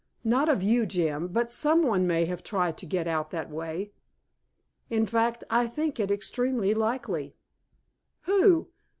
"Not of you, Jim but some one may have tried to get out that way. In fact, I think it extremely likely." "Who?